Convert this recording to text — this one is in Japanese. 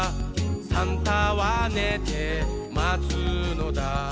「サンタはねてまつのだ」